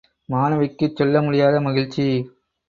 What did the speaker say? மாணவிக்கு சொல்ல முடியாத மகிழ்ச்சி.